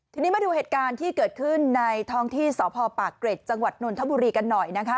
ทีนี้มาดูเหตุการณ์ที่เกิดขึ้นในท้องที่สพปากเกร็ดจังหวัดนนทบุรีกันหน่อยนะคะ